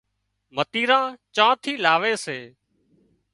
متيران چانئين ٿِي لاوي سي